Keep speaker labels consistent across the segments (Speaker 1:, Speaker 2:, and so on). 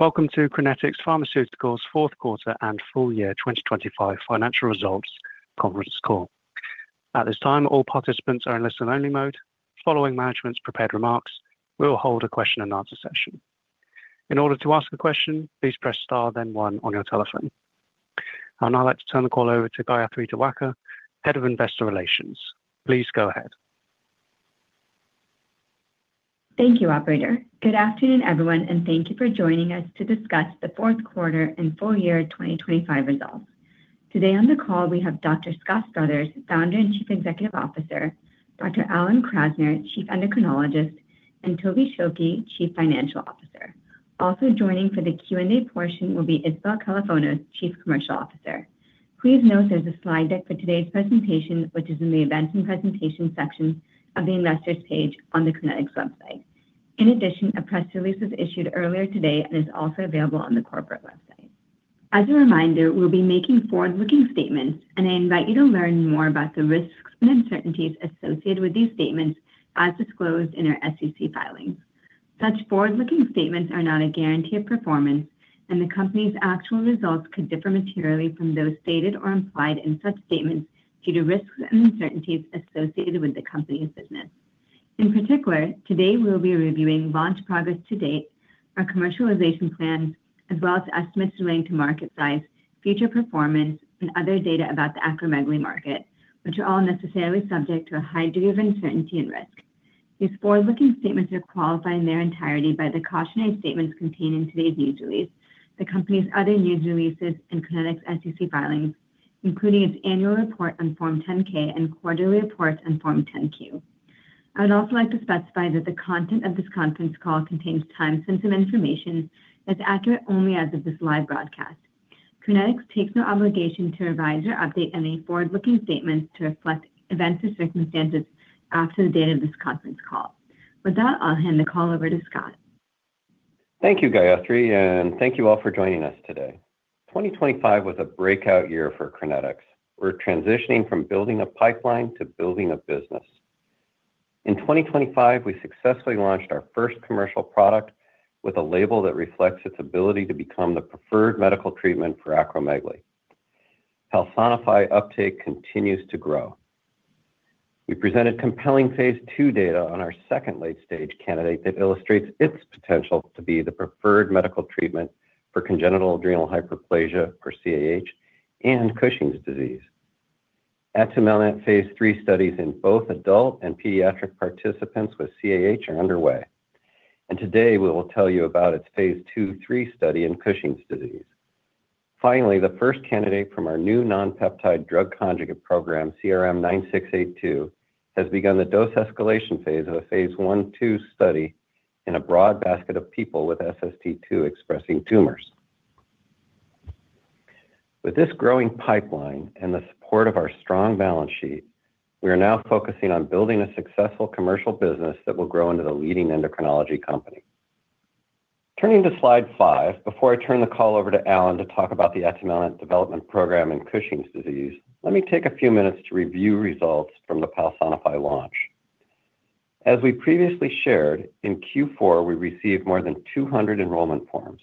Speaker 1: Welcome to Crinetics Pharmaceuticals' Fourth Quarter and Full Year 2025 Financial Results Conference Call. At this time, all participants are in listen only mode. Following management's prepared remarks, we will hold a question and answer session. In order to ask a question, please press star then one on your telephone. I'd now like to turn the call over to Gayathri Diwakar, Head of Investor Relations. Please go ahead.
Speaker 2: Thank you, operator. Good afternoon, everyone, thank you for joining us to discuss the fourth quarter and full year 2025 results. Today on the call, we have Dr. Scott Struthers, Founder and Chief Executive Officer, Dr. Alan Krasner, Chief Endocrinologist, and Toby Schilke, Chief Financial Officer. Also joining for the Q&A portion will be Isabel Kalofonos, Chief Commercial Officer. Please note there's a slide deck for today's presentation, which is in the Events and Presentation section of the Investors page on the Crinetics website. In addition, a press release was issued earlier today and is also available on the corporate website. As a reminder, we'll be making forward-looking statements, and I invite you to learn more about the risks and uncertainties associated with these statements as disclosed in our SEC filings. Such forward-looking statements are not a guarantee of performance, and the company's actual results could differ materially from those stated or implied in such statements due to risks and uncertainties associated with the company's business. In particular, today we'll be reviewing launch progress to date, our commercialization plan, as well as estimates relating to market size, future performance, and other data about the acromegaly market, which are all necessarily subject to a high degree of uncertainty and risk. These forward-looking statements are qualified in their entirety by the cautionary statements contained in today's news release, the company's other news releases and Crinetics SEC filings, including its annual report on Form 10-K and quarterly report on Form 10-Q. I would also like to specify that the content of this conference call contains time-sensitive information that's accurate only as of this live broadcast. Crinetics takes no obligation to revise or update any forward-looking statements to reflect events or circumstances after the date of this conference call. With that, I'll hand the call over to Scott.
Speaker 3: Thank you, Gayathri, and thank you all for joining us today. 2025 was a breakout year for Crinetics. We're transitioning from building a pipeline to building a business. In 2025, we successfully launched our first commercial product with a label that reflects its ability to become the preferred medical treatment for acromegaly. PALSONIFY uptake continues to grow. We presented compelling phase II data on our second late-stage candidate that illustrates its potential to be the preferred medical treatment for congenital adrenal hyperplasia, or CAH, and Cushing's disease. Atumelnant phase III studies in both adult and pediatric participants with CAH are underway. Today, we will tell you about its phase II/III study in Cushing's disease. The first candidate from our new nonpeptide drug conjugate program, CRN09682, has begun the dose escalation phase of a phase I/II study in a broad basket of people with SST2-expressing tumors. With this growing pipeline and the support of our strong balance sheet, we are now focusing on building a successful commercial business that will grow into the leading endocrinology company. Turning to Slide five, before I turn the call over to Alan to talk about the Atumelnant development program in Cushing's disease, let me take a few minutes to review results from the PALSONIFY launch. As we previously shared, in Q4, we received more than 200 enrollment forms.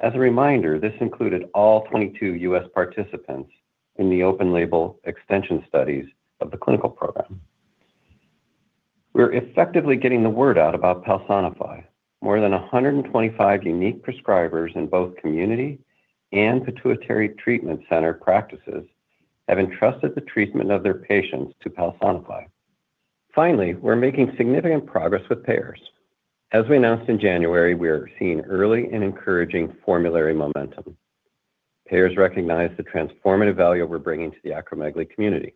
Speaker 3: As a reminder, this included all 22 U.S. participants in the open label extension studies of the clinical program. We're effectively getting the word out about PALSONIFY. More than 125 unique prescribers in both community and pituitary treatment center practices have entrusted the treatment of their patients to PALSONIFY. Finally, we're making significant progress with payers. As we announced in January, we are seeing early and encouraging formulary momentum. Payers recognize the transformative value we're bringing to the acromegaly community.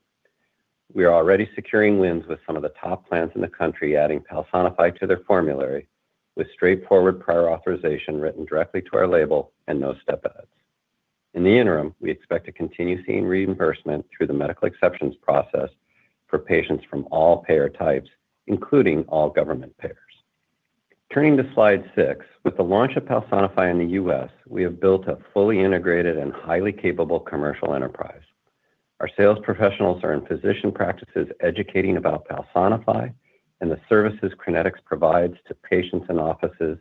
Speaker 3: We are already securing wins with some of the top plans in the country, adding PALSONIFY to their formulary with straightforward prior authorization written directly to our label and no step edits. In the interim, we expect to continue seeing reimbursement through the medical exceptions process for patients from all payer types, including all government payers. Turning to Slide six, with the launch of PALSONIFY in the U.S., we have built a fully integrated and highly capable commercial enterprise. Our sales professionals are in physician practices educating about PALSONIFY and the services Crinetics provides to patients and offices,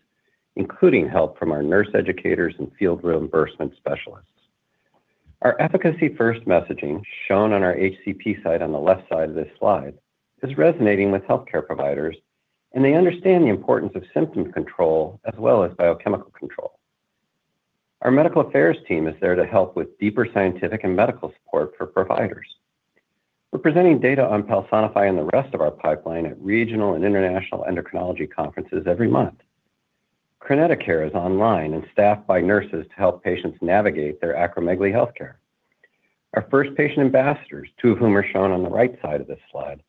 Speaker 3: including help from our nurse educators and field reimbursement specialists. Our efficacy-first messaging, shown on our HCP side on the left side of this slide, is resonating with healthcare providers, and they understand the importance of symptom control as well as biochemical control. Our medical affairs team is there to help with deeper scientific and medical support for providers. We're presenting data on PALSONIFY and the rest of our pipeline at regional and international endocrinology conferences every month. CrinetiCARE is online and staffed by nurses to help patients navigate their acromegaly healthcare. Our first patient ambassadors, two of whom are shown on the right side of this slide,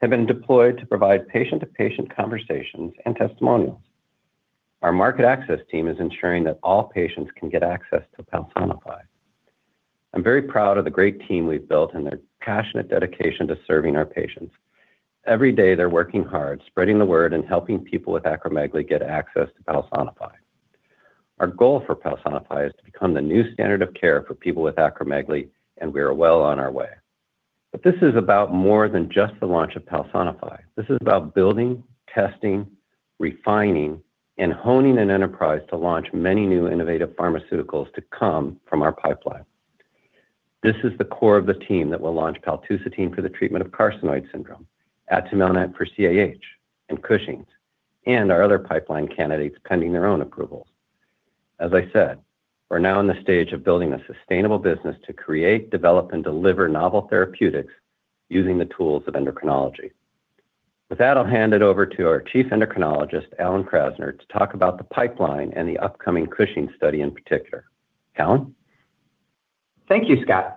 Speaker 3: have been deployed to provide patient-to-patient conversations and testimonials. Our market access team is ensuring that all patients can get access to PALSONIFY. I'm very proud of the great team we've built and their passionate dedication to serving our patients. Every day, they're working hard, spreading the word and helping people with acromegaly get access to PALSONIFY. Our goal for PALSONIFY is to become the new standard of care for people with acromegaly, and we are well on our way. This is about more than just the launch of PALSONIFY. This is about building, testing, refining, and honing an enterprise to launch many new innovative pharmaceuticals to come from our pipeline. This is the core of the team that will launch paltusotine for the treatment of carcinoid syndrome, Atumelnant for CAH and Cushing's, and our other pipeline candidates pending their own approvals. As I said, we're now in the stage of building a sustainable business to create, develop, and deliver novel therapeutics using the tools of endocrinology. With that, I'll hand it over to our Chief Endocrinologist, Alan Krasner, to talk about the pipeline and the upcoming Cushing study in particular. Alan?
Speaker 4: Thank you, Scott.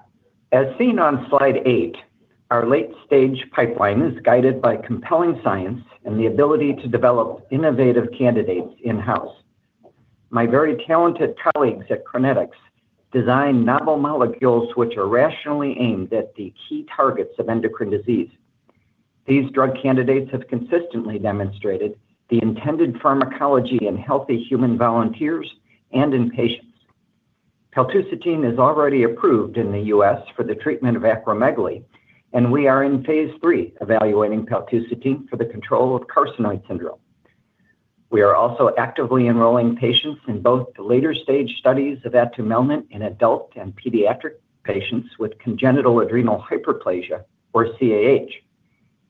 Speaker 4: As seen on Slide eight, our late-stage pipeline is guided by compelling science and the ability to develop innovative candidates in-house. My very talented colleagues at Crinetics design novel molecules which are rationally aimed at the key targets of endocrine disease. These drug candidates have consistently demonstrated the intended pharmacology in healthy human volunteers and in patients. Paltusotine is already approved in the U.S. for the treatment of acromegaly. We are in phase III evaluating paltusotine for the control of carcinoid syndrome. We are also actively enrolling patients in both the later-stage studies of Atumelnant in adult and pediatric patients with congenital adrenal hyperplasia, or CAH,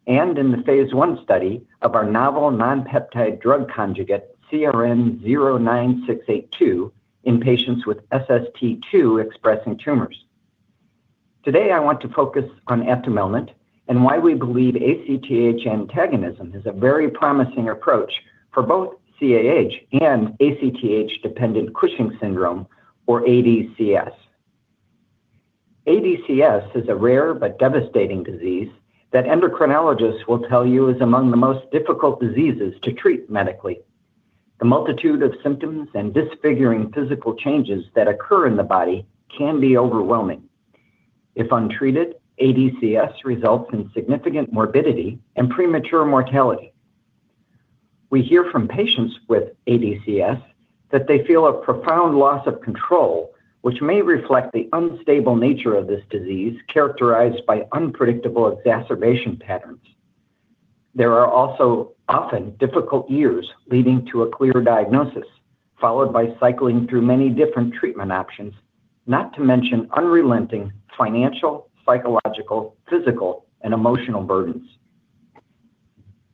Speaker 4: and in the phase I study of our novel nonpeptide drug conjugate, CRN09682, in patients with SST2-expressing tumors. Today, I want to focus on Atumelnant and why we believe ACTH antagonism is a very promising approach for both CAH and ACTH-dependent Cushing's syndrome, or ADCS. ADCS is a rare but devastating disease that endocrinologists will tell you is among the most difficult diseases to treat medically. The multitude of symptoms and disfiguring physical changes that occur in the body can be overwhelming. If untreated, ADCS results in significant morbidity and premature mortality. We hear from patients with ADCS that they feel a profound loss of control, which may reflect the unstable nature of this disease characterized by unpredictable exacerbation patterns. There are also often difficult years leading to a clear diagnosis, followed by cycling through many different treatment options, not to mention unrelenting financial, psychological, physical, and emotional burdens.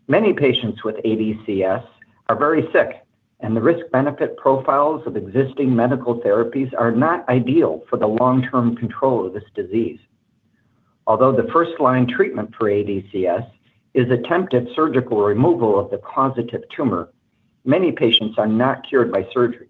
Speaker 4: Many patients with ADCS are very sick, and the risk-benefit profiles of existing medical therapies are not ideal for the long-term control of this disease. Although the first-line treatment for ADCS is attempted surgical removal of the causative tumor, many patients are not cured by surgery.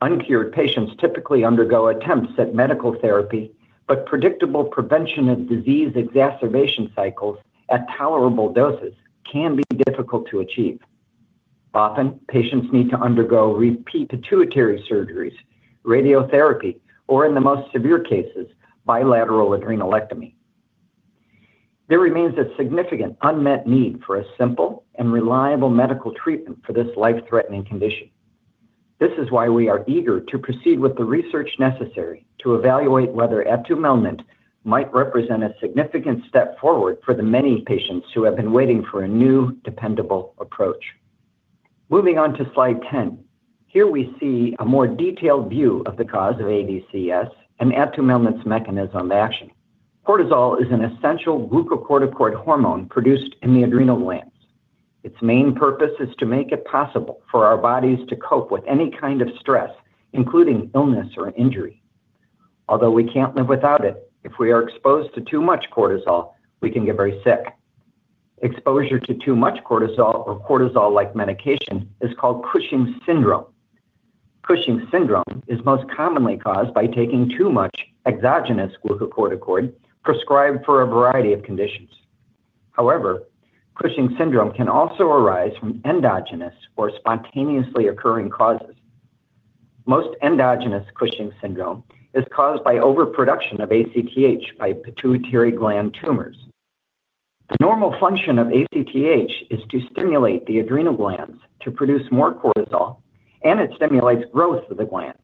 Speaker 4: Uncured patients typically undergo attempts at medical therapy, but predictable prevention of disease exacerbation cycles at tolerable doses can be difficult to achieve. Often, patients need to undergo repeat pituitary surgeries, radiotherapy, or in the most severe cases, bilateral adrenalectomy. There remains a significant unmet need for a simple and reliable medical treatment for this life-threatening condition. This is why we are eager to proceed with the research necessary to evaluate whether Atumelnant might represent a significant step forward for the many patients who have been waiting for a new, dependable approach. Moving on to Slide 10. Here we see a more detailed view of the cause of ADCS and Atumelnant's mechanism of action. Cortisol is an essential glucocorticoid hormone produced in the adrenal glands. Its main purpose is to make it possible for our bodies to cope with any kind of stress, including illness or injury. Although we can't live without it, if we are exposed to too much cortisol, we can get very sick. Exposure to too much cortisol or cortisol-like medication is called Cushing's syndrome. Cushing's syndrome is most commonly caused by taking too much exogenous glucocorticoid prescribed for a variety of conditions. However, Cushing's syndrome can also arise from endogenous or spontaneously occurring causes. Most endogenous Cushing's syndrome is caused by overproduction of ACTH by pituitary gland tumors. The normal function of ACTH is to stimulate the adrenal glands to produce more cortisol, and it stimulates growth of the glands.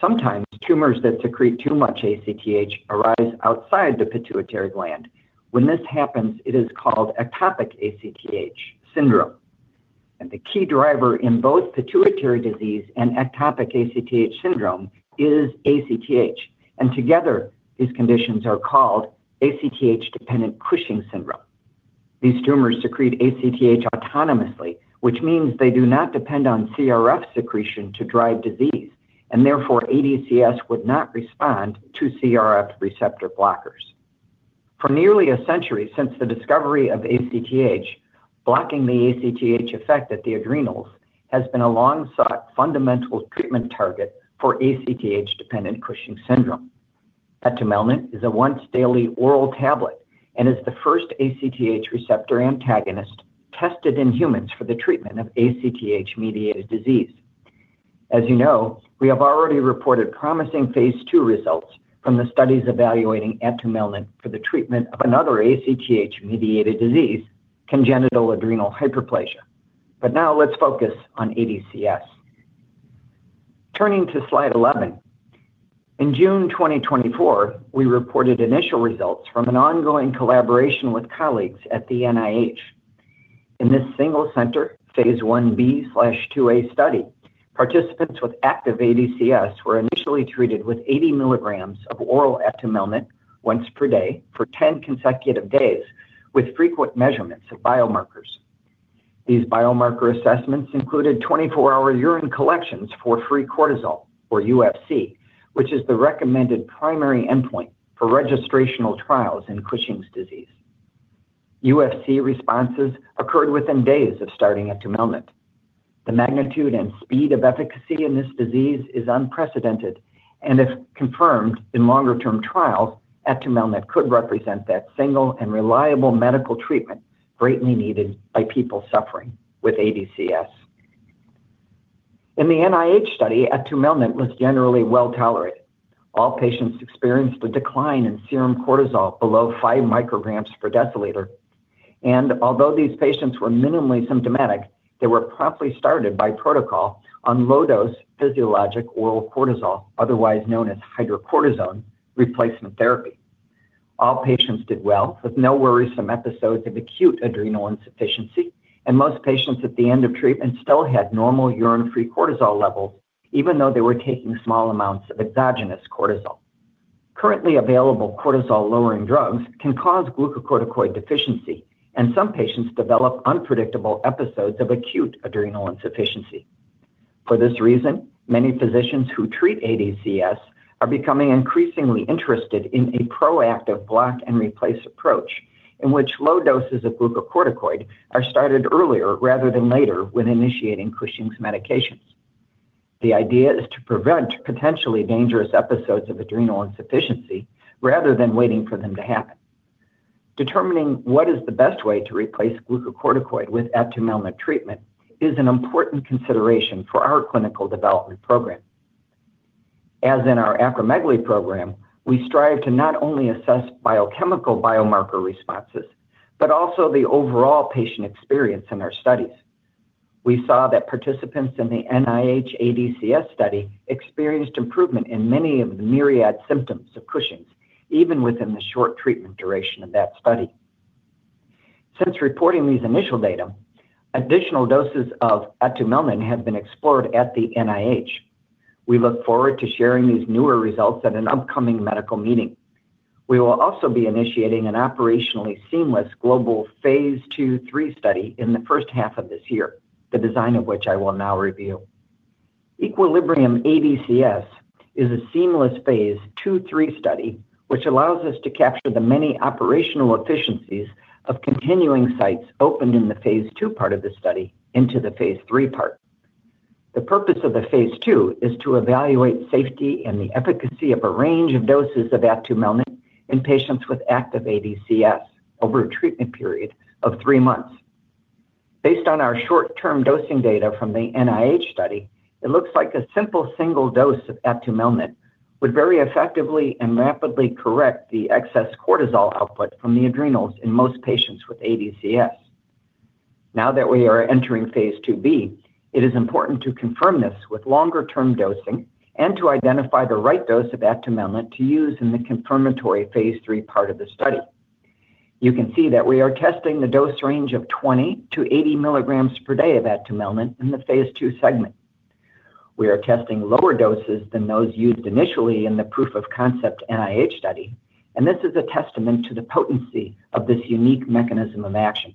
Speaker 4: Sometimes, tumors that secrete too much ACTH arise outside the pituitary gland. When this happens, it is called ectopic ACTH syndrome. The key driver in both pituitary disease and ectopic ACTH syndrome is ACTH, and together these conditions are called ACTH-dependent Cushing's syndrome. These tumors secrete ACTH autonomously, which means they do not depend on CRF secretion to drive disease, and therefore ADCS would not respond to CRF receptor blockers. For nearly a century since the discovery of ACTH, blocking the ACTH effect at the adrenals has been a long-sought fundamental treatment target for ACTH-dependent Cushing's syndrome. Atumelnant is a once-daily oral tablet and is the first ACTH receptor antagonist tested in humans for the treatment of ACTH-mediated disease. As you know, we have already reported promising phase II results from the studies evaluating Atumelnant for the treatment of another ACTH-mediated disease, congenital adrenal hyperplasia. Now let's focus on ADCS. Turning to Slide 11. In June 2024, we reported initial results from an ongoing collaboration with colleagues at the NIH. In this single center phase I-B/II-A study, participants with active ADCS were initially treated with 80 mg of oral Atumelnant once per day for 10 consecutive days with frequent measurements of biomarkers. These biomarker assessments included 24-hour urine collections for free cortisol or UFC, which is the recommended primary endpoint for registrational trials in Cushing's disease. UFC responses occurred within days of starting Atumelnant. The magnitude and speed of efficacy in this disease is unprecedented and if confirmed in longer term trials, Atumelnant could represent that single and reliable medical treatment greatly needed by people suffering with ADCS. In the NIH study, Atumelnant was generally well tolerated. All patients experienced a decline in serum cortisol below five micrograms per deciliter. Although these patients were minimally symptomatic, they were promptly started by protocol on low dose physiologic oral cortisol, otherwise known as hydrocortisone replacement therapy. All patients did well with no worrisome episodes of acute adrenal insufficiency, and most patients at the end of treatment still had normal urine-free cortisol levels even though they were taking small amounts of exogenous cortisol. Currently available cortisol-lowering drugs can cause glucocorticoid deficiency and some patients develop unpredictable episodes of acute adrenal insufficiency. For this reason, many physicians who treat ADCS are becoming increasingly interested in a proactive block and replace approach in which low doses of glucocorticoid are started earlier rather than later when initiating Cushing's medications. The idea is to prevent potentially dangerous episodes of adrenal insufficiency rather than waiting for them to happen. Determining what is the best way to replace glucocorticoid with Atumelnant treatment is an important consideration for our clinical development program. As in our acromegaly program, we strive to not only assess biochemical biomarker responses, but also the overall patient experience in our studies. We saw that participants in the NIH ADCS study experienced improvement in many of the myriad symptoms of Cushing's, even within the short treatment duration of that study. Since reporting these initial data, additional doses of Atumelnant have been explored at the NIH. We look forward to sharing these newer results at an upcoming medical meeting. We will also be initiating an operationally seamless global phase II/III study in the first half of this year, the design of which I will now review. EQUILIBRIUM ADCS is a seamless phase II/III study, which allows us to capture the many operational efficiencies of continuing sites opened in the phase II part of the study into the phase III part. The purpose of the phase II is to evaluate safety and the efficacy of a range of doses of Atumelnant in patients with active ADCS over a treatment period of three months. Based on our short-term dosing data from the NIH study, it looks like a simple single dose of Atumelnant would very effectively and rapidly correct the excess cortisol output from the adrenals in most patients with ADCS. Now that we are entering phase II-B, it is important to confirm this with longer term dosing and to identify the right dose of Atumelnant to use in the confirmatory phase III part of the study. You can see that we are testing the dose range of 20 mg-80 mg per day of Atumelnant in the phase II segment. We are testing lower doses than those used initially in the proof of concept NIH study. This is a testament to the potency of this unique mechanism of action.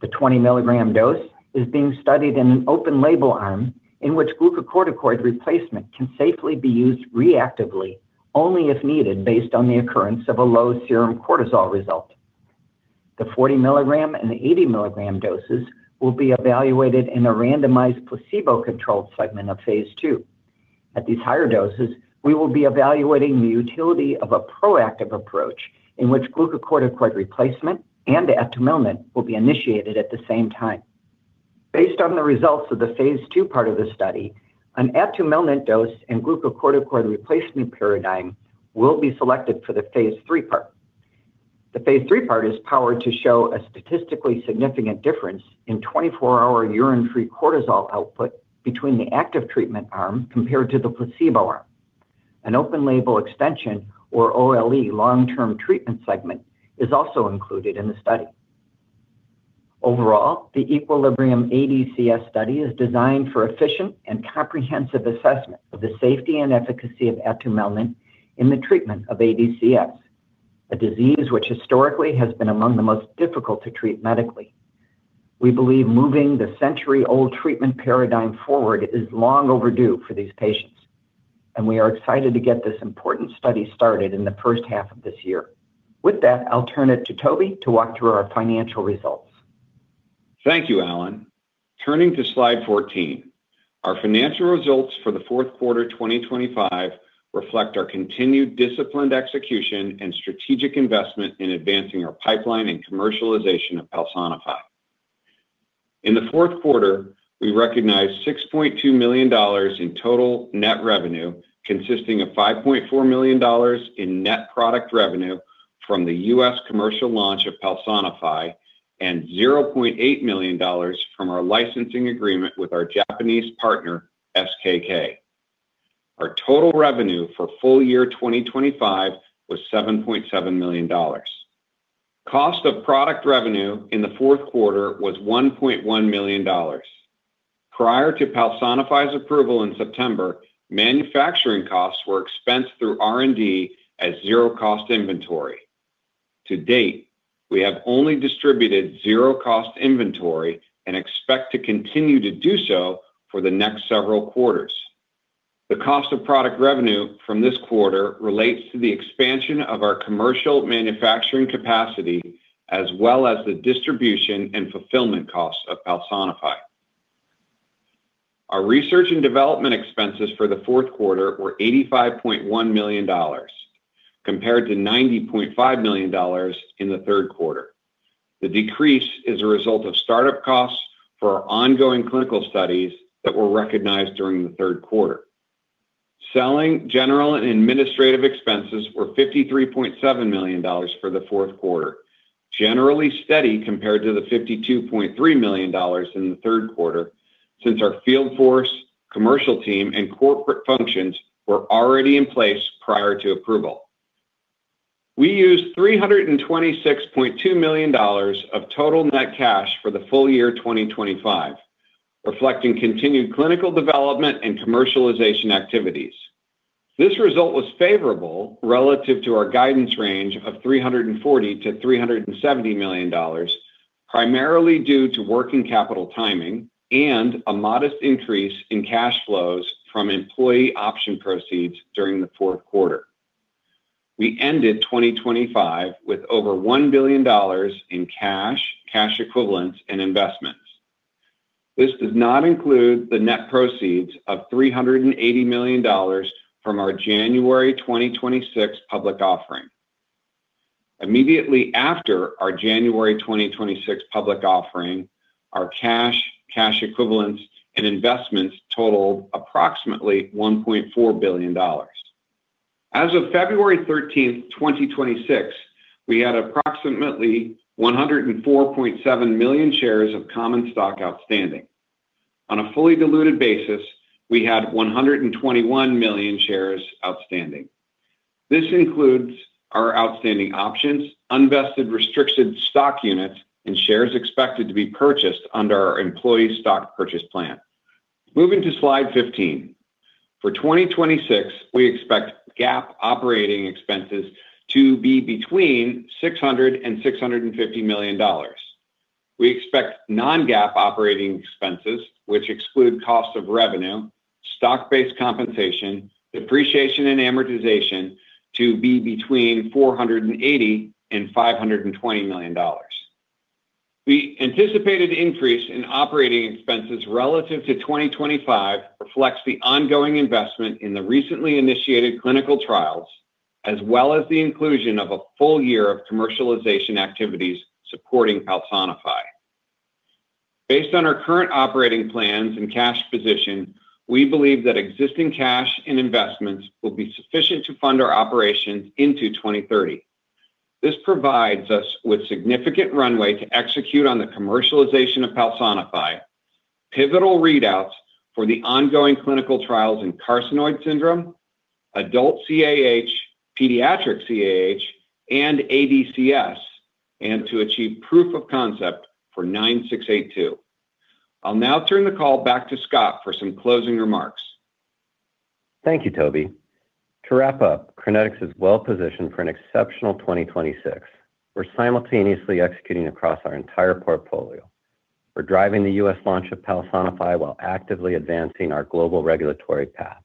Speaker 4: The 20 mg dose is being studied in an open label arm in which glucocorticoid replacement can safely be used reactively only if needed based on the occurrence of a low serum cortisol result. The 40 mg and 80 mg doses will be evaluated in a randomized placebo-controlled segment of phase II. At these higher doses, we will be evaluating the utility of a proactive approach in which glucocorticoid replacement and Atumelnant will be initiated at the same time. Based on the results of the phase II part of the study, an Atumelnant dose and glucocorticoid replacement paradigm will be selected for the phase III part. The phase III part is powered to show a statistically significant difference in 24-hour urinary free cortisol output between the active treatment arm compared to the placebo arm. An open label extension or OLE long-term treatment segment is also included in the study. Overall, the EQUILIBRIUM ADCS study is designed for efficient and comprehensive assessment of the safety and efficacy of Atumelnant in the treatment of ADCS, a disease which historically has been among the most difficult to treat medically. We believe moving the century-old treatment paradigm forward is long overdue for these patients, and we are excited to get this important study started in the first half of this year. With that, I'll turn it to Toby to walk through our financial results.
Speaker 5: Thank you, Alan. Turning to Slide 14. Our financial results for the fourth quarter 2025 reflect our continued disciplined execution and strategic investment in advancing our pipeline and commercialization of PALSONIFY. In the fourth quarter, we recognized $6.2 million in total net revenue, consisting of $5.4 million in net product revenue from the U.S. commercial launch of PALSONIFY and $0.8 million from our licensing agreement with our Japanese partner, SKK. Our total revenue for full year 2025 was $7.7 million. Cost of product revenue in the fourth quarter was $1.1 million. Prior to PALSONIFY's approval in September, manufacturing costs were expensed through R&D at zero cost inventory. To date, we have only distributed zero cost inventory and expect to continue to do so for the next several quarters. The cost of product revenue from this quarter relates to the expansion of our commercial manufacturing capacity as well as the distribution and fulfillment costs of PALSONIFY. Our research and development expenses for the fourth quarter were $85.1 million, compared to $90.5 million in the third quarter. The decrease is a result of startup costs for our ongoing clinical studies that were recognized during the third quarter. Selling general and administrative expenses were $53.7 million for the fourth quarter, generally steady compared to the $52.3 million in the third quarter since our field force, commercial team, and corporate functions were already in place prior to approval. We used $326.2 million of total net cash for the full year 2025, reflecting continued clinical development and commercialization activities. This result was favorable relative to our guidance range of $340 million-$370 million, primarily due to working capital timing and a modest increase in cash flows from employee option proceeds during the fourth quarter. We ended 2025 with over $1 billion in cash equivalents, and investments. This does not include the net proceeds of $380 million from our January 2026 public offering. Immediately after our January 2026 public offering, our cash equivalents, and investments totaled approximately $1.4 billion. As of February 13th, 2026, we had approximately 104.7 million shares of common stock outstanding. On a fully diluted basis, we had 121 million shares outstanding. This includes our outstanding options, unvested restricted stock units, and shares expected to be purchased under our employee stock purchase plan. Moving to Slide 15. For 2026, we expect GAAP operating expenses to be between $600 million and $650 million. We expect non-GAAP operating expenses, which exclude cost of revenue, stock-based compensation, depreciation, and amortization to be between $480 million and $520 million. The anticipated increase in operating expenses relative to 2025 reflects the ongoing investment in the recently initiated clinical trials as well as the inclusion of a full year of commercialization activities supporting PALSONIFY. Based on our current operating plans and cash position, we believe that existing cash and investments will be sufficient to fund our operations into 2030. This provides us with significant runway to execute on the commercialization of PALSONIFY, pivotal readouts for the ongoing clinical trials in carcinoid syndrome, adult CAH, pediatric CAH, and ADCS, and to achieve proof of concept for 9682. I'll now turn the call back to Scott for some closing remarks.
Speaker 3: Thank you, Toby. To wrap up, Crinetics is well positioned for an exceptional 2026. We're simultaneously executing across our entire portfolio. We're driving the U.S. launch of PALSONIFY while actively advancing our global regulatory path.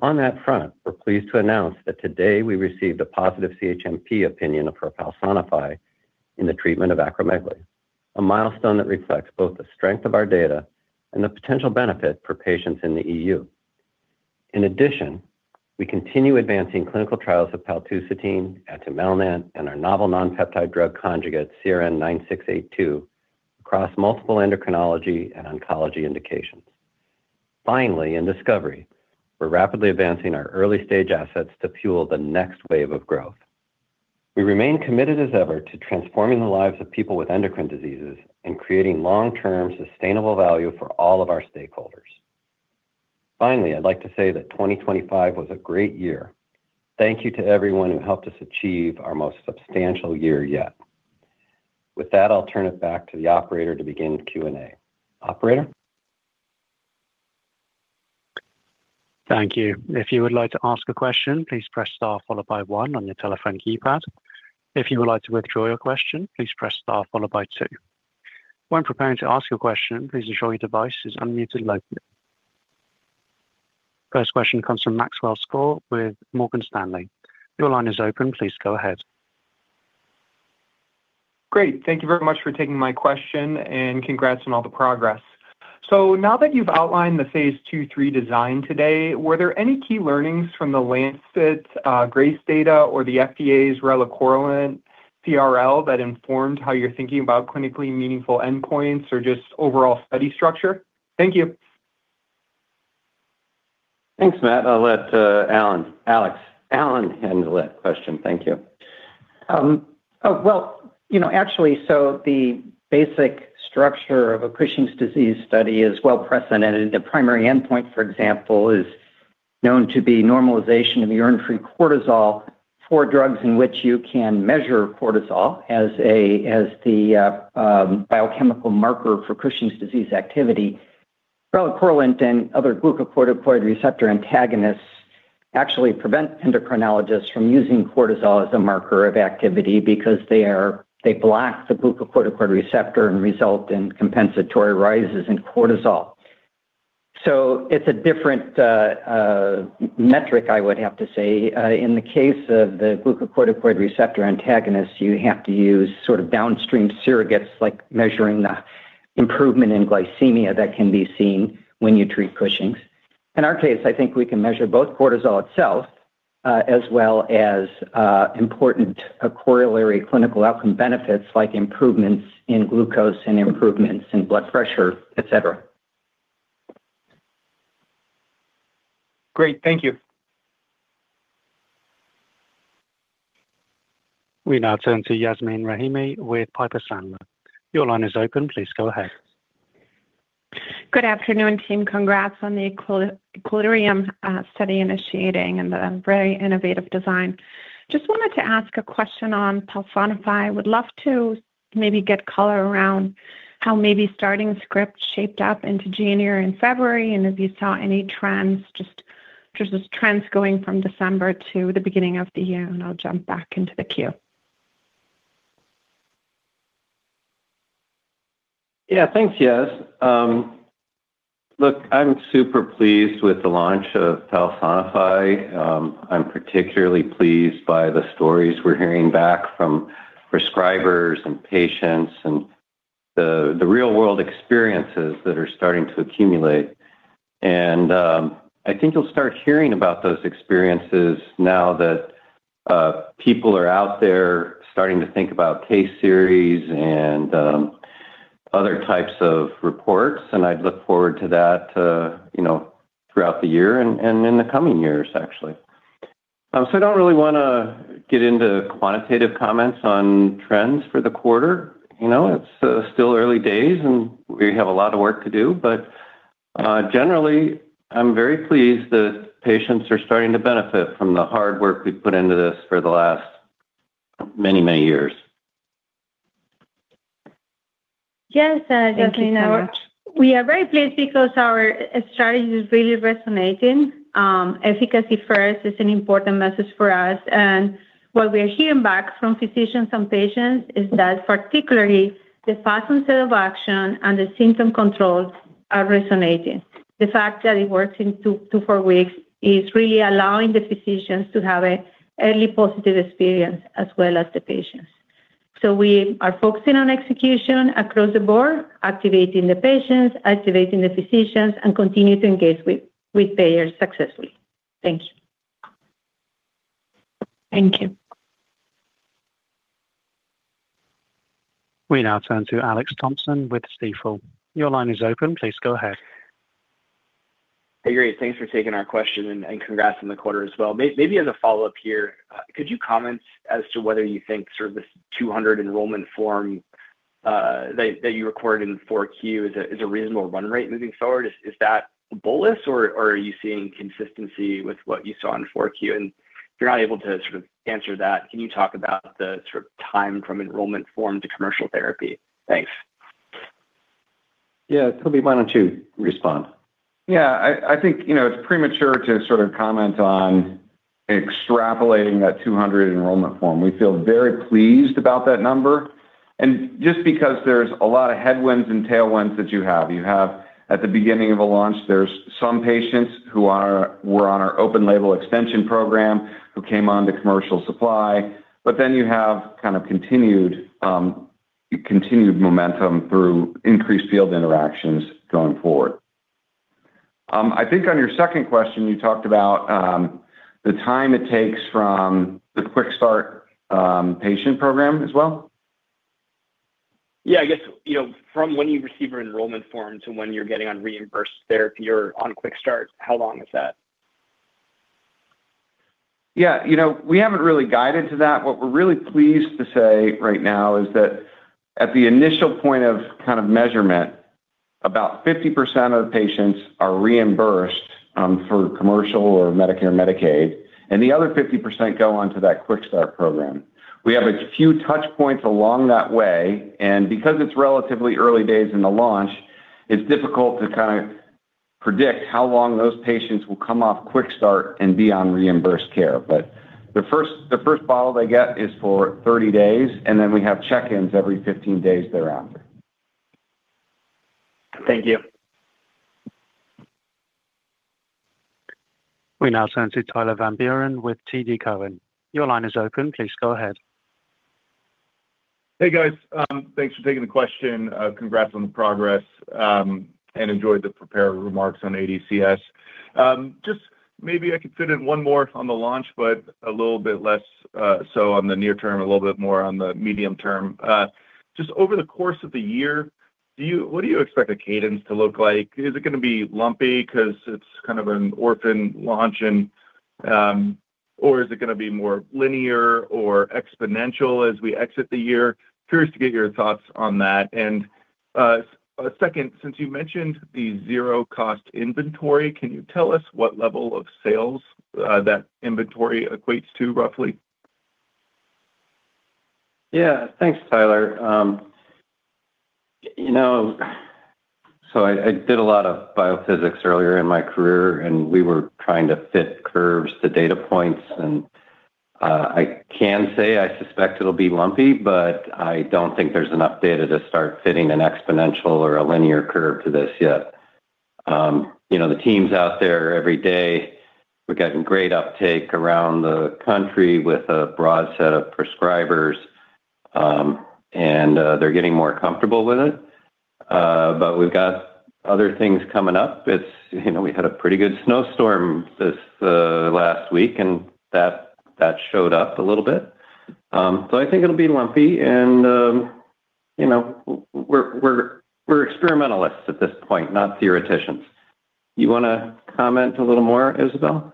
Speaker 3: On that front, we're pleased to announce that today we received a positive CHMP opinion for PALSONIFY in the treatment of acromegaly, a milestone that reflects both the strength of our data and the potential benefit for patients in the E.U. In addition, we continue advancing clinical trials of paltusotine, Atumelnant, and our novel nonpeptide drug conjugate, CRN09682 across multiple endocrinology and oncology indications. Finally, in discovery, we're rapidly advancing our early-stage assets to fuel the next wave of growth. We remain committed as ever to transforming the lives of people with endocrine diseases and creating long-term sustainable value for all of our stakeholders. Finally, I'd like to say that 2025 was a great year. Thank you to everyone who helped us achieve our most substantial year yet. With that, I'll turn it back to the operator to begin Q. & A. Operator?
Speaker 1: Thank you. If you would like to ask a question, please press star followed by one on your telephone keypad. If you would like to withdraw your question, please press star followed by two. When preparing to ask your question, please ensure your device is unmuted locally. First question comes from Maxwell Skor with Morgan Stanley. Your line is open. Please go ahead.
Speaker 6: Great. Thank you very much for taking my question, and congrats on all the progress. Now that you've outlined the phase II/III design today, were there any key learnings from the Lancet, GRACE data or the FDA's relacorilant CRL that informed how you're thinking about clinically meaningful endpoints or just overall study structure? Thank you.
Speaker 3: Thanks, Max. I'll let Alan handle that question. Thank you.
Speaker 4: Well, you know, actually, the basic structure of a Cushing's disease study is well precedented. The primary endpoint, for example, is known to be normalization of urine-free cortisol for drugs in which you can measure cortisol as a, as the biochemical marker for Cushing's disease activity. Relacorilant and other glucocorticoid receptor antagonists actually prevent endocrinologists from using cortisol as a marker of activity because they block the glucocorticoid receptor and result in compensatory rises in cortisol. It's a different metric, I would have to say. In the case of the glucocorticoid receptor antagonist, you have to use sort of downstream surrogates like measuring the improvement in glycemia that can be seen when you treat Cushing's. In our case, I think we can measure both cortisol itself, as well as important corollary clinical outcome benefits like improvements in glucose and improvements in blood pressure, et cetera.
Speaker 3: Great. Thank you.
Speaker 1: We now turn to Yasmeen Rahimi with Piper Sandler. Your line is open. Please go ahead.
Speaker 7: Good afternoon, team. Congrats on the EQUILIBRIUM study initiating and the very innovative design. Just wanted to ask a question on PALSONIFY. Would love to maybe get color around how maybe starting script shaped up into January and February and if you saw any trends, just as trends going from December to the beginning of the year. I'll jump back into the queue.
Speaker 3: Yeah. Thanks, Yas. Look, I'm super pleased with the launch of PALSONIFY. I'm particularly pleased by the stories we're hearing back from prescribers and patients and the real-world experiences that are starting to accumulate. I think you'll start hearing about those experiences now that people are out there starting to think about case series and other types of reports, and I look forward to that, you know, throughout the year and in the coming years actually. I don't really wanna get into quantitative comments on trends for the quarter. You know, it's still early days, and we have a lot of work to do. Generally, I'm very pleased that patients are starting to benefit from the hard work we've put into this for the last many, many years.
Speaker 8: Yes, and as Yasmeen.
Speaker 7: Thank you very much.
Speaker 8: We are very pleased because our strategy is really resonating. Efficacy first is an important message for us. What we are hearing back from physicians and patients is that particularly the patterns of action and the symptom controls are resonating. The fact that it works in two to four weeks is really allowing the physicians to have a early positive experience as well as the patients. We are focusing on execution across the board, activating the patients, activating the physicians, and continue to engage with payers successfully. Thank you.
Speaker 7: Thank you.
Speaker 1: We now turn to Alex Thompson with Stifel. Your line is open. Please go ahead.
Speaker 9: Hey, great. Thanks for taking our question and congrats on the quarter as well. Maybe as a follow-up here, could you comment as to whether you think sort of this 200 enrollment form, that you recorded in four Q is a reasonable run rate moving forward? Is that bullish, or are you seeing consistency with what you saw in four Q? If you're not able to sort of answer that, can you talk about the sort of time from enrollment form to commercial therapy? Thanks.
Speaker 3: Yeah. Toby, why don't you respond?
Speaker 5: I think, you know, it's premature to sort of comment on extrapolating that 200 enrollment form. We feel very pleased about that number, and just because there's a lot of headwinds and tailwinds that you have. You have at the beginning of a launch, there's some patients who were on our open label extension program who came on to commercial supply. You have kind of continued momentum through increased field interactions going forward. I think on your second question, you talked about the time it takes from the Quick Start patient program as well?
Speaker 9: Yeah. I guess, you know, from when you receive your enrollment form to when you're getting on reimbursed therapy or on Quick Start, how long is that?
Speaker 5: Yeah. You know, we haven't really guided to that. What we're really pleased to say right now is that at the initial point of kind of measurement, about 50% of patients are reimbursed for commercial or Medicare, Medicaid, and the other 50% go on to that Quick Start program. We have a few touch points along that way. Because it's relatively early days in the launch, it's difficult to kinda predict how long those patients will come off Quick Start and be on reimbursed care. The first bottle they get is for 30 days, and then we have check-ins every 15 days thereafter.
Speaker 9: Thank you.
Speaker 1: We now turn to Tyler Van Buren with TD Cowen. Your line is open. Please go ahead.
Speaker 10: Hey, guys. Thanks for taking the question. Congrats on the progress, and enjoyed the prepared remarks on ADCS. Just maybe I could fit in one more on the launch, but a little bit less, so on the near term, a little bit more on the medium term. Just over the course of the year, what do you expect the cadence to look like? Is it gonna be lumpy because it's kind of an orphan launch Or is it gonna be more linear or exponential as we exit the year? Curious to get your thoughts on that. A second, since you mentioned the zero cost inventory, can you tell us what level of sales that inventory equates to roughly?
Speaker 5: Yeah. Thanks, Tyler. You know, so I did a lot of biophysics earlier in my career, and we were trying to fit curves to data points. I can say I suspect it'll be lumpy, but I don't think there's enough data to start fitting an exponential or a linear curve to this yet. You know, the team's out there every day. We're getting great uptake around the country with a broad set of prescribers, and they're getting more comfortable with it. We've got other things coming up. It's, you know, we had a pretty good snowstorm this last week, and that showed up a little bit. I think it'll be lumpy and, you know, we're experimentalists at this point, not theoreticians. You wanna comment a little more, Isabel?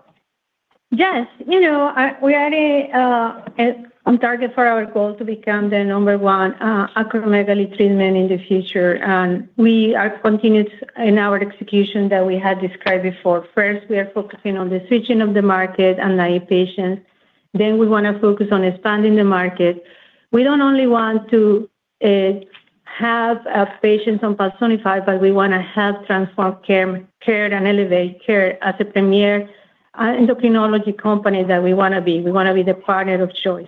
Speaker 8: Yes. You know, we are on target for our goal to become the number one acromegaly treatment in the future, and we are continued in our execution that we had described before. First, we are focusing on the switching of the market and live patients, then we wanna focus on expanding the market. We don't only want to have patients on PALSONIFY, but we wanna help transform care and elevate care as a premier endocrinology company that we wanna be. We wanna be the partner of choice.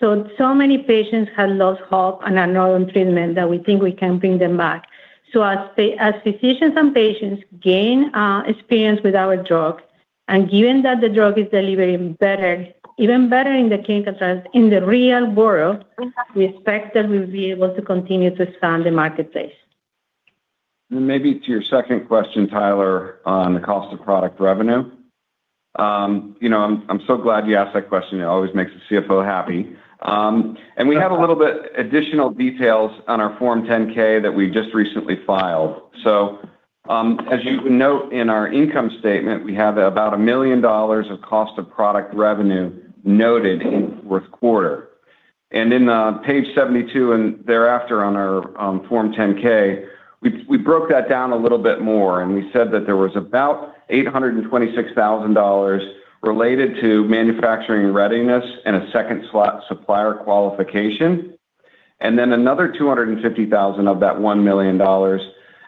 Speaker 8: Many patients have lost hope and are not on treatment that we think we can bring them back. As physicians and patients gain experience with our drug, and given that the drug is delivering even better in the clinical trials in the real world, we expect that we'll be able to continue to expand the marketplace.
Speaker 5: Maybe to your second question, Tyler, on the cost of product revenue. You know, I'm so glad you asked that question. It always makes the CFO happy. We have a little bit additional details on our Form 10-K that we just recently filed. As you note in our income statement, we have about $1 million of cost of product revenue noted in fourth quarter. In Page 72 and thereafter on our Form 10-K, we broke that down a little bit more, and we said that there was about $826,000 related to manufacturing readiness and a second slot supplier qualification. Another $250,000 of that $1 million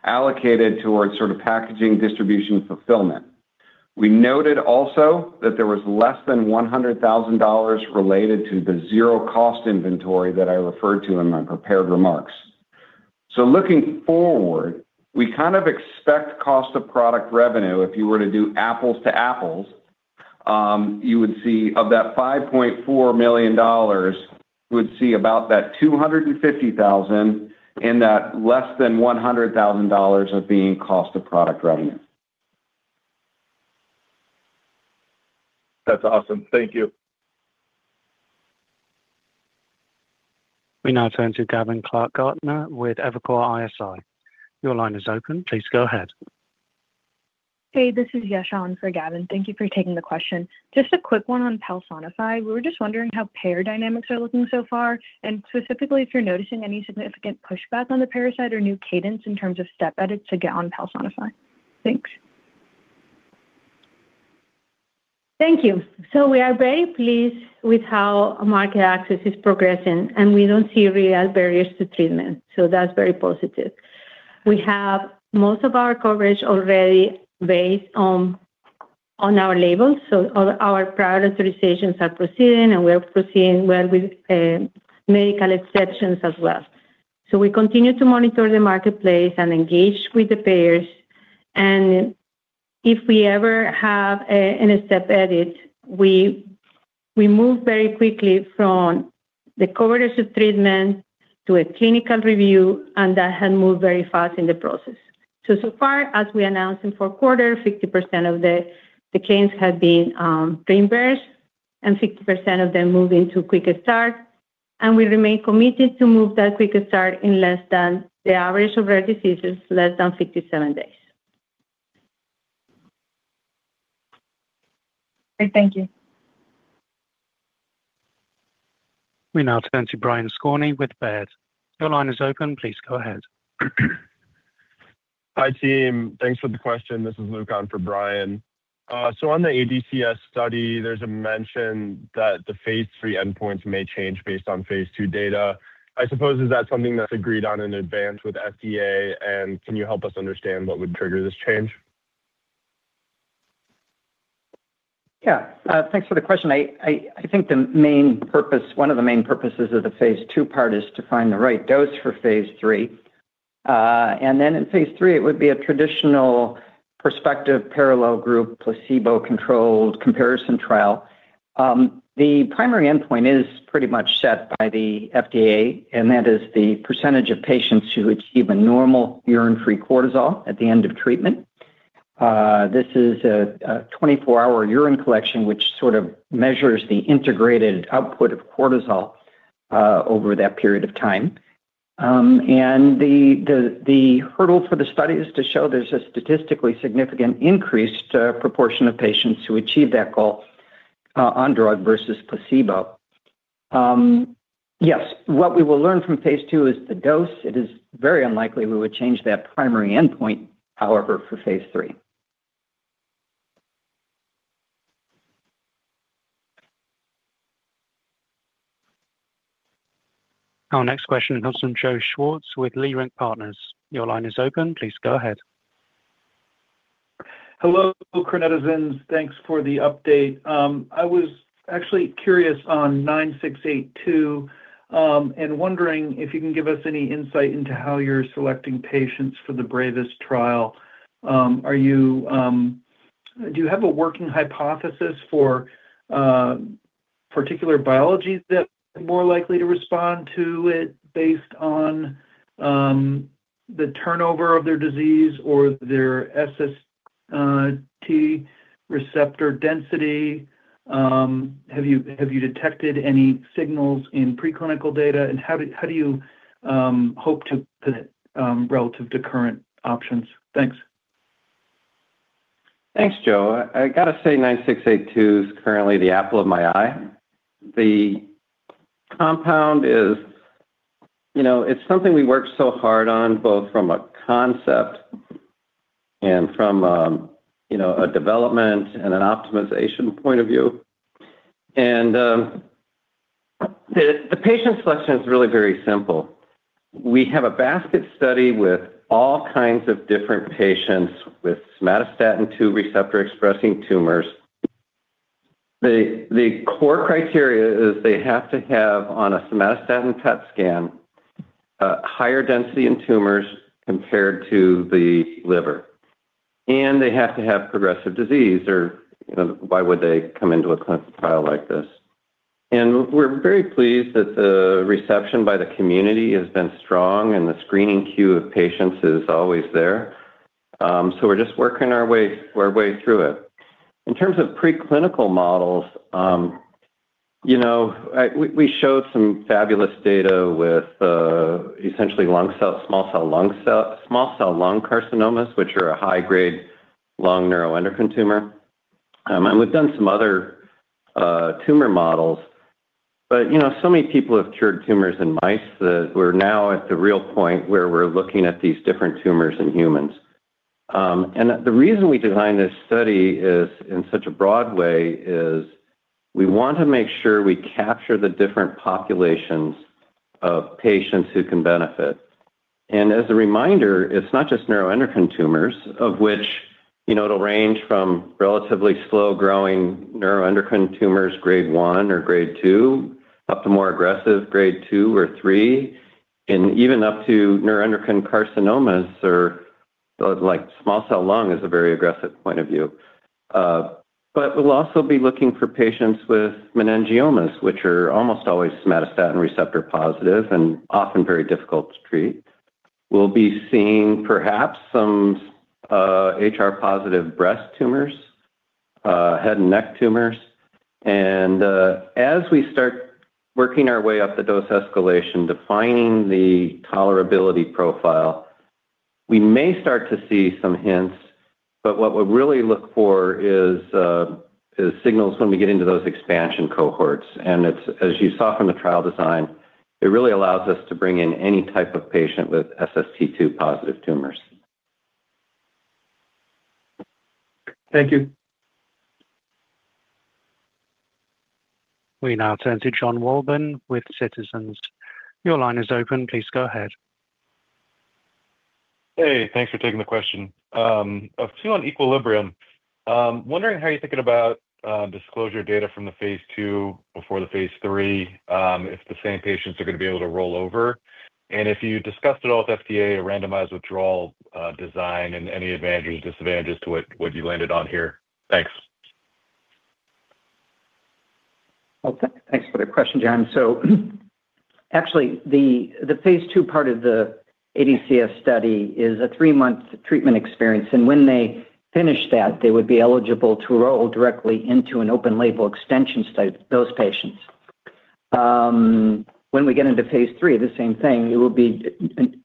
Speaker 5: allocated towards sort of packaging, distribution, fulfillment. We noted also that there was less than $100,000 related to the zero cost inventory that I referred to in my prepared remarks. Looking forward, we kind of expect cost of product revenue. If you were to do apples to apples, you would see of that $5.4 million, you would see about that $250,000, and that less than $100,000 of being cost of product revenue.
Speaker 10: That's awesome. Thank you.
Speaker 1: We now turn to Gavin Clark-Gartner with Evercore ISI. Your line is open. Please go ahead.
Speaker 11: Hey, this is Yash on for Gavin. Thank you for taking the question. Just a quick one on PALSONIFY. We were just wondering how payer dynamics are looking so far, and specifically if you're noticing any significant pushback on the payer side or new cadence in terms of step edits to get on PALSONIFY. Thanks.
Speaker 8: Thank you. We are very pleased with how market access is progressing, and we don't see real barriers to treatment. That's very positive. We have most of our coverage already based on our labels, so all our product authorizations are proceeding, and we're proceeding well with medical exceptions as well. We continue to monitor the marketplace and engage with the payers. If we ever have an accept edit, we move very quickly from the coverage of treatment to a clinical review, and that had moved very fast in the process. So far as we announced in fourth quarter, 50% of the claims have been pre-reimbursed and 60% of them moved into Quick Start, and we remain committed to move that Quick Start in less than the average of rare diseases, less than 67 days.
Speaker 11: Great. Thank you.
Speaker 1: We now turn to Brian Skorney with Baird. Your line is open. Please go ahead.
Speaker 12: Hi, team. Thanks for the question. This is Luke on for Brian. On the ADCS study, there's a mention that the phase III endpoints may change based on phase II data. I suppose, is that something that's agreed on in advance with FDA, and can you help us understand what would trigger this change?
Speaker 3: Yeah. Thanks for the question. I think one of the main purposes of the phase II part is to find the right dose for phase III. In phase III, it would be a traditional perspective, parallel group, placebo-controlled comparison trial. The primary endpoint is pretty much set by the FDA, and that is the % of patients who achieve a normal urine free cortisol at the end of treatment. This is a 24-hour urine collection which sort of measures the integrated output of cortisol. Over that period of time. The hurdle for the study is to show there's a statistically significant increase to proportion of patients who achieve that goal on drug versus placebo. Yes. What we will learn from phase II is the dose. It is very unlikely we would change that primary endpoint, however, for phase III.
Speaker 1: Our next question comes from Joe Schwartz with Leerink Partners. Your line is open. Please go ahead.
Speaker 13: Hello, for Cornetta Zins. Thanks for the update. I was actually curious on 9682, and wondering if you can give us any insight into how you're selecting patients for the BRAVESST2 trial. Are you Do you have a working hypothesis for particular biologies that are more likely to respond to it based on the turnover of their disease or their SST receptor density? Have you detected any signals in preclinical data? How do you hope to put it relative to current options? Thanks.
Speaker 3: Thanks, Joe. I gotta say 9682 is currently the apple of my eye. The compound is, you know, it's something we worked so hard on both from a concept and from, you know, a development and an optimization point of view. The patient selection is really very simple. We have a basket study with all kinds of different patients with somatostatin two receptor expressing tumors. The core criteria is they have to have on a somatostatin PET scan a higher density in tumors compared to the liver. They have to have progressive disease or, you know, why would they come into a clinical trial like this? We're very pleased that the reception by the community has been strong and the screening queue of patients is always there. So we're just working our way through it. In terms of preclinical models, you know, we showed some fabulous data with essentially lung cell, small cell lung carcinomas, which are a high-grade lung neuroendocrine tumor. We've done some other tumor models. You know, so many people have cured tumors in mice that we're now at the real point where we're looking at these different tumors in humans. The reason we designed this study is in such a broad way is we want to make sure we capture the different populations of patients who can benefit. As a reminder, it's not just neuroendocrine tumors, of which, you know, it'll range from relatively slow-growing neuroendocrine tumors, grade one or grade two, up to more aggressive grade two or three, and even up to neuroendocrine carcinomas or, like small cell lung is a very aggressive point of view. We'll also be looking for patients with meningiomas, which are almost always somatostatin receptor positive and often very difficult to treat. We'll be seeing perhaps some HR positive breast tumors, head and neck tumors. As we start working our way up the dose escalation, defining the tolerability profile, we may start to see some hints, but what we'll really look for is signals when we get into those expansion cohorts. It's, as you saw from the trial design, it really allows us to bring in any type of patient with SST2 positive tumors.
Speaker 13: Thank you.
Speaker 1: We now turn to Jon Wolleben with Citizens. Your line is open. Please go ahead.
Speaker 14: Hey, thanks for taking the question. A few on EQUILIBRIUM. Wondering how you're thinking about disclosure data from the phase II before the phase III, if the same patients are gonna be able to roll over. If you discussed at all with FDA a randomized withdrawal design and any advantages, disadvantages to it, what you landed on here. Thanks.
Speaker 3: Thanks for the question, Jon. Actually, the phase II part of the ADCS study is a three-month treatment experience, and when they finish that, they would be eligible to roll directly into an open label extension study, those patients. When we get into phase III, the same thing, it will be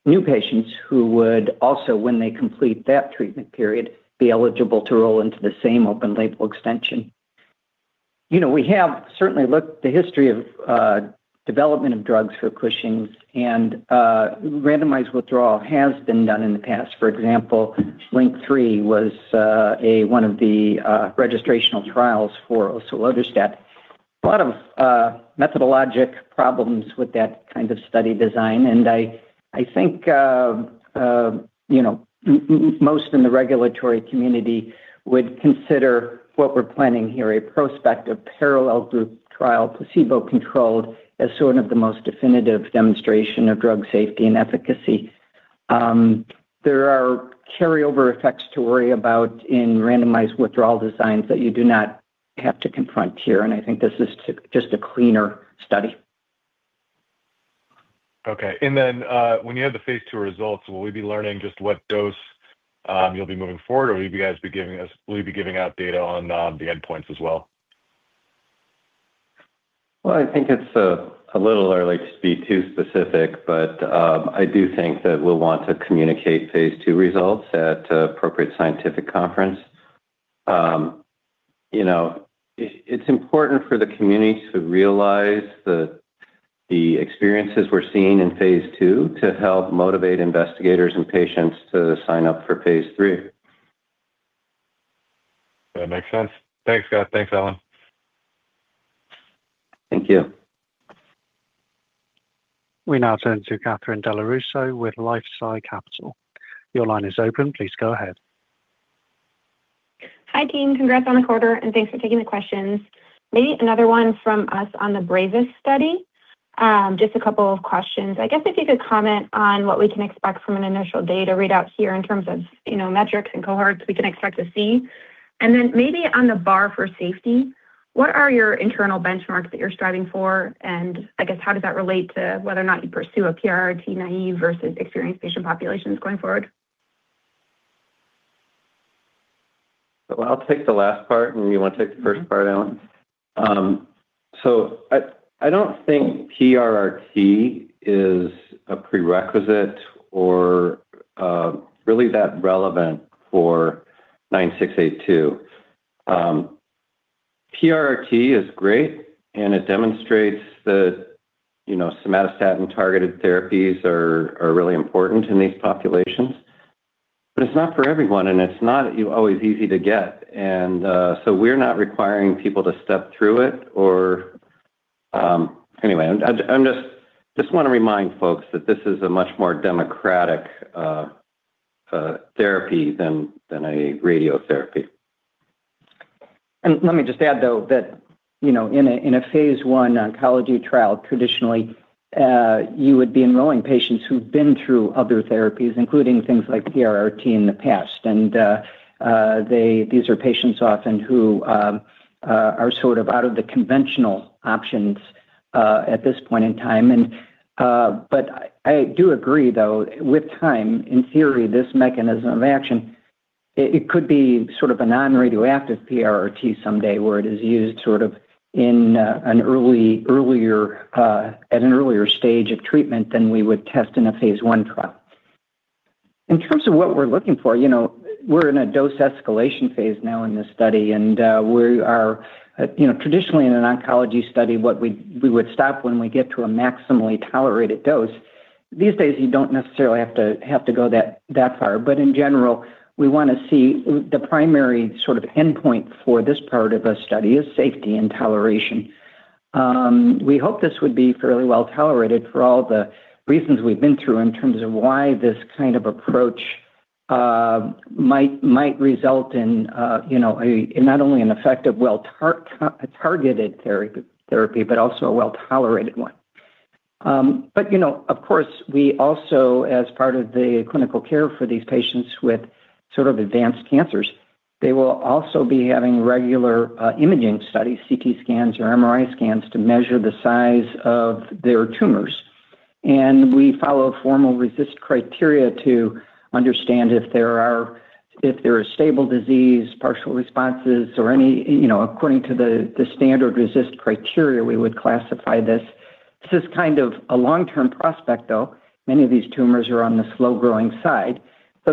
Speaker 3: new patients who would also, when they complete that treatment period, be eligible to roll into the same open label extension. You know, we have certainly looked the history of development of drugs for Cushing's, and randomized withdrawal has been done in the past. For example, LINK-3 was one of the registrational trials for osilodrostat. A lot of methodologic problems with that kind of study design, I think, you know, most in the regulatory community would consider what we're planning here a prospective parallel group trial placebo-controlled as sort of the most definitive demonstration of drug safety and efficacy. There are carryover effects to worry about in randomized withdrawal designs that you do not have to confront here, I think this is just a cleaner study.
Speaker 14: Okay. When you have the phase II results, will we be learning just what dose you'll be moving forward, or will you guys be giving out data on the endpoints as well?
Speaker 3: I think it's a little early to be too specific, but I do think that we'll want to communicate phase II results at appropriate scientific conference. You know, it's important for the community to realize that the experiences we're seeing in phase II to help motivate investigators and patients to sign up for phase III.
Speaker 14: That makes sense. Thanks, Scott. Thanks, Alan.
Speaker 3: Thank you.
Speaker 1: We now turn to Katherine Dellorusso with LifeSci Capital. Your line is open. Please go ahead.
Speaker 15: Hi, team. Congrats on the quarter. Thanks for taking the questions. Maybe another one from us on the BRAVESST2 study. Just a couple of questions. I guess if you could comment on what we can expect from an initial data readout here in terms of, you know, metrics and cohorts we can expect to see. Then maybe on the bar for safety, what are your internal benchmarks that you're striving for? I guess how does that relate to whether or not you pursue a PRRT naive versus experienced patient populations going forward?
Speaker 3: Well, I'll take the last part. You want to take the first part, Alan? I don't think PRRT is a prerequisite or really that relevant for CRN09682. PRRT is great. It demonstrates that, you know, somatostatin targeted therapies are really important in these populations. It's not for everyone. It's not always easy to get. We're not requiring people to step through it or. Anyway, I just wanna remind folks that this is a much more democratic therapy than a radiotherapy.
Speaker 4: Let me just add, though, that, you know, in a phase I oncology trial, traditionally, you would be enrolling patients who've been through other therapies, including things like PRRT in the past. These are patients often who are sort of out of the conventional options at this point in time. I do agree, though, with time, in theory, this mechanism of action, it could be sort of a non-radioactive PRRT someday, where it is used sort of in at an earlier stage of treatment than we would test in a phase I trial. In terms of what we're looking for, you know, we're in a dose escalation phase now in this study, and, you know, traditionally in an oncology study, what we would stop when we get to a maximally tolerated dose. These days, you don't necessarily have to go that far. In general, we wanna see the primary sort of endpoint for this part of a study is safety and toleration. We hope this would be fairly well tolerated for all the reasons we've been through in terms of why this kind of approach might result in, you know, not only an effective, well targeted therapy but also a well-tolerated one. You know, of course, we also, as part of the clinical care for these patients with sort of advanced cancers, they will also be having regular imaging studies, CT scans or MRI scans, to measure the size of their tumors. We follow formal RECIST criteria to understand if there is stable disease, partial responses or any, you know, according to the standard RECIST criteria, we would classify this. This is kind of a long-term prospect, though. Many of these tumors are on the slow-growing side.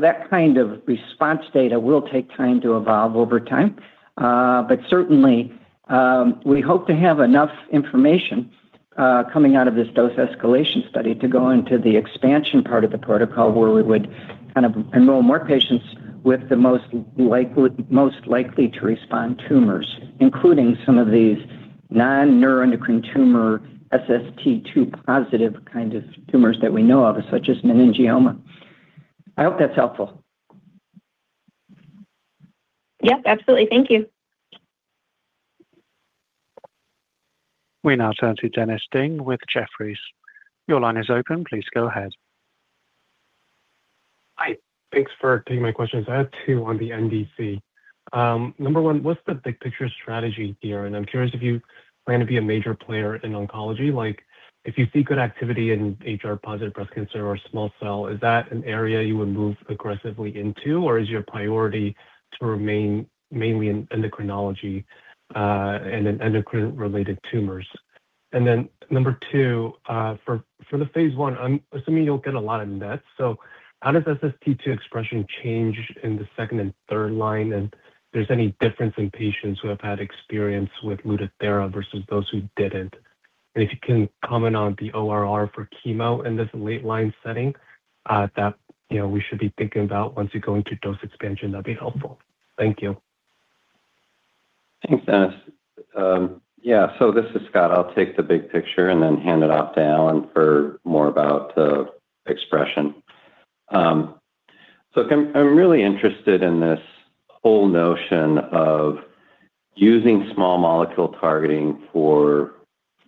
Speaker 4: That kind of response data will take time to evolve over time. Certainly, we hope to have enough information coming out of this dose escalation study to go into the expansion part of the protocol, where we would kind of enroll more patients with the most likely to respond tumors, including some of these non-neuroendocrine tumor SST2 positive kind of tumors that we know of, such as meningioma. I hope that's helpful.
Speaker 15: Yep, absolutely. Thank you.
Speaker 1: We now turn to Dennis Ding with Jefferies. Your line is open. Please go ahead.
Speaker 16: Hi. Thanks for taking my questions. I have two on the NDC. Number one, what's the big picture strategy here? I'm curious if you plan to be a major player in oncology. Like, if you see good activity in HR-positive breast cancer or small cell, is that an area you would move aggressively into, or is your priority to remain mainly in endocrinology and in endocrine-related tumors? Number two, for the phase I, I'm assuming you'll get a lot of NETs. How does SST2 expression change in the second and third line? If there's any difference in patients who have had experience with Lutathera versus those who didn't? If you can comment on the ORR for chemo in this late line setting, that, you know, we should be thinking about once you go into dose expansion, that'd be helpful. Thank you.
Speaker 3: Thanks, Dennis. Yeah. This is Scott. I'll take the big picture and then hand it off to Alan for more about expression. I'm really interested in this whole notion of using small molecule targeting for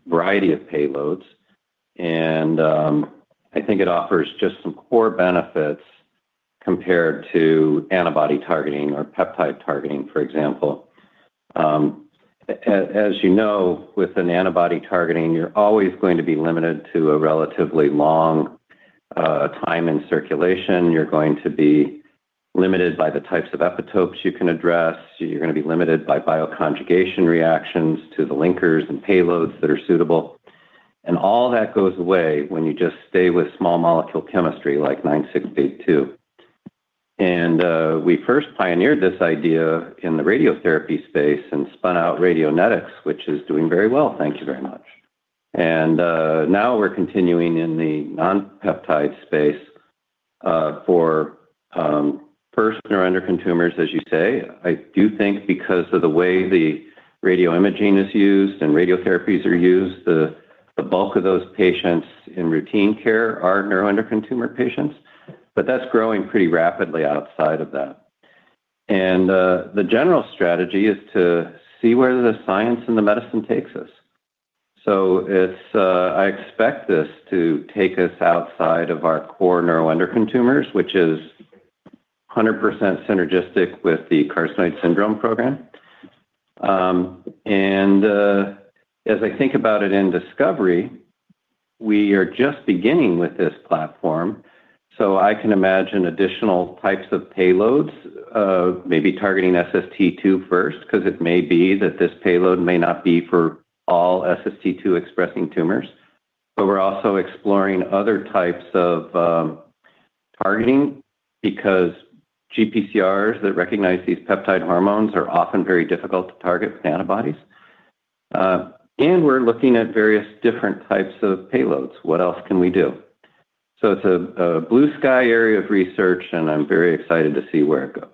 Speaker 3: a variety of payloads. I think it offers just some core benefits compared to antibody targeting or peptide targeting, for example. As you know, with an antibody targeting, you're always going to be limited to a relatively long time in circulation, you're going to be limited by the types of epitopes you can address, you're gonna be limited by bioconjugation reactions to the linkers and payloads that are suitable. All that goes away when you just stay with small molecule chemistry like 9682. We first pioneered this idea in the radiotherapy space and spun out Radionetics, which is doing very well, thank you very much. Now we're continuing in the non-peptide space for first neuroendocrine tumors, as you say. I do think because of the way the radio imaging is used and radiotherapies are used, the bulk of those patients in routine care are neuroendocrine tumor patients, but that's growing pretty rapidly outside of that. The general strategy is to see where the science and the medicine takes us. I expect this to take us outside of our core neuroendocrine tumors, which is 100% synergistic with the carcinoid syndrome program. As I think about it in discovery, we are just beginning with this platform, so I can imagine additional types of payloads, maybe targeting SST2 first, 'cause it may be that this payload may not be for all SST2 expressing tumors. We're also exploring other types of targeting because GPCRs that recognize these peptide hormones are often very difficult to target with antibodies. We're looking at various different types of payloads. What else can we do? It's a blue sky area of research, and I'm very excited to see where it goes.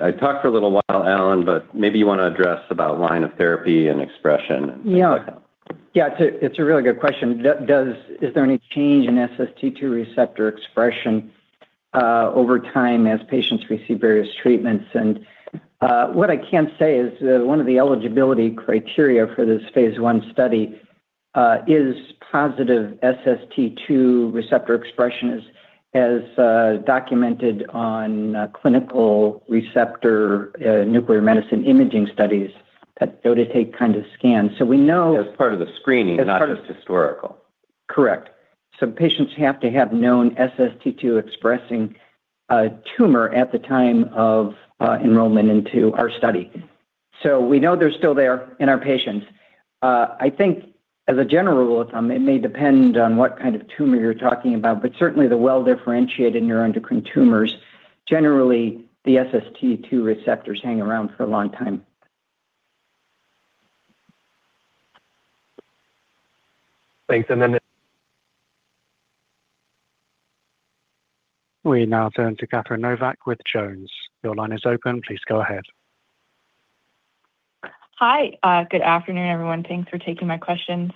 Speaker 3: I talked for a little while, Alan, but maybe you wanna address about line of therapy and expression and things like that.
Speaker 4: Yeah. Yeah. It's a, it's a really good question. Is there any change in SST2 receptor expression over time as patients receive various treatments? What I can say is that one of the eligibility criteria for this phase I study is positive SST2 receptor expression as documented on clinical receptor nuclear medicine imaging studies, that DOTATATE kind of scan. We know-
Speaker 3: As part of the screening, not just historical.
Speaker 4: Correct. Patients have to have known SST2 expressing tumor at the time of enrollment into our study. We know they're still there in our patients. I think as a general rule of thumb, it may depend on what kind of tumor you're talking about, but certainly the well-differentiated neuroendocrine tumors, generally, the SST2 receptors hang around for a long time.
Speaker 16: Thanks.
Speaker 1: We now turn to Catherine Novack with JonesTrading. Your line is open. Please go ahead.
Speaker 17: Hi. Good afternoon, everyone. Thanks for taking my questions.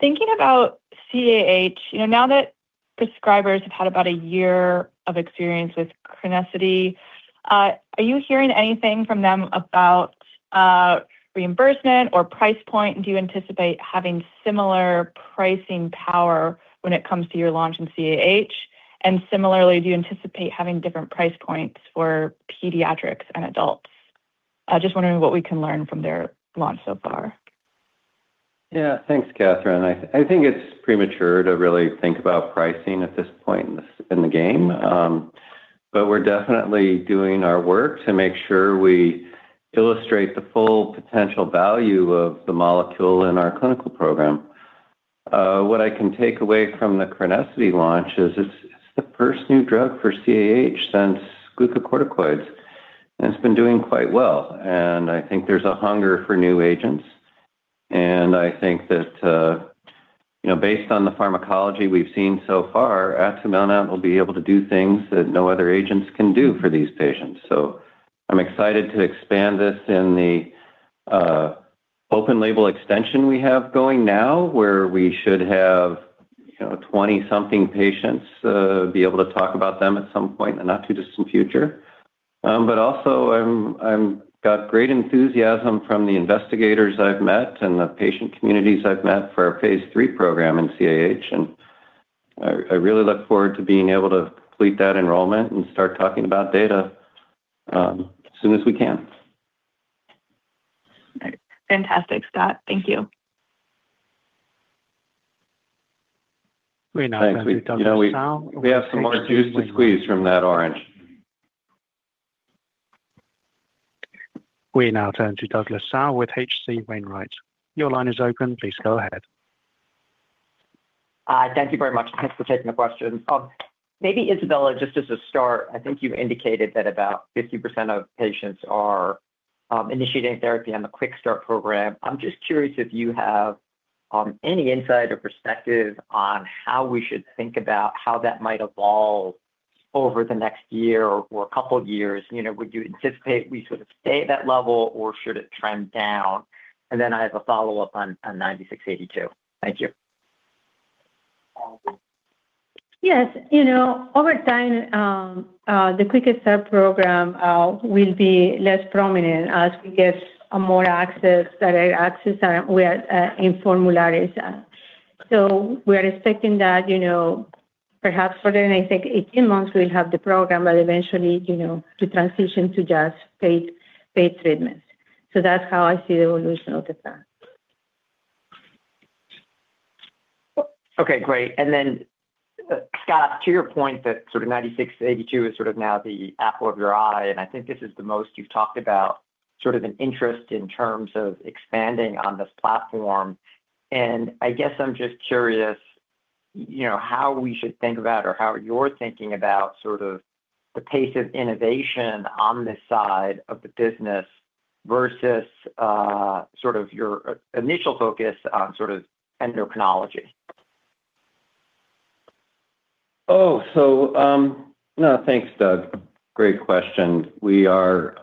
Speaker 17: Thinking about CAH, you know, now that prescribers have had about a year of experience with Crinetics, are you hearing anything from them about reimbursement or price point? Do you anticipate having similar pricing power when it comes to your launch in CAH? Similarly, do you anticipate having different price points for pediatrics and adults? I just wondering what we can learn from their launch so far?
Speaker 3: Thanks, Catherine. I think it's premature to really think about pricing at this point in the game. We're definitely doing our work to make sure we illustrate the full potential value of the molecule in our clinical program. What I can take away from the Crinetics launch is it's the first new drug for CAH since glucocorticoids, and it's been doing quite well. I think there's a hunger for new agents. I think that, you know, based on the pharmacology we've seen so far, Atumelnant will be able to do things that no other agents can do for these patients. I'm excited to expand this in the open-label extension we have going now, where we should have, you know, 20 something patients, be able to talk about them at some point in the not too distant future. I'm got great enthusiasm from the investigators I've met and the patient communities I've met for our phase III program in CAH, I really look forward to being able to complete that enrollment and start talking about data as soon as we can.
Speaker 17: Fantastic, Scott. Thank you.
Speaker 1: We now turn to Douglas Tsao-
Speaker 3: Thanks. We, you know, we have some more juice to squeeze from that orange.
Speaker 1: We now turn to Douglas Tsao with H.C. Wainwright. Your line is open. Please go ahead.
Speaker 18: Thank you very much. Thanks for taking the question. Maybe Isabella, just as a start, I think you've indicated that about 50% of patients are initiating therapy on the Quick Start program. I'm just curious if you have any insight or perspective on how we should think about how that might evolve over the next year or a couple of years. You know, would you anticipate we sort of stay at that level or should it trend down? I have a follow-up on 9682. Thank you.
Speaker 8: Yes. You know, over time, the Quick Start program will be less prominent as we get more access, direct access, where in formularies. We're expecting that, you know. Perhaps for the next like 18 months we'll have the program, but eventually, you know, to transition to just paid treatments. That's how I see the evolution of the plan.
Speaker 18: Okay, great. Then, Scott, to your point that sort of 96 to 82 is sort of now the apple of your eye, and I think this is the most you've talked about sort of an interest in terms of expanding on this platform. I guess I'm just curious, you know, how we should think about or how you're thinking about sort of the pace of innovation on this side of the business versus, sort of your initial focus on sort of endocrinology.
Speaker 3: No, thanks, Doug. Great question. We are